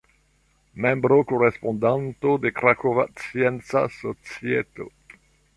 Membro-korespondanto de Krakova Scienca Societo.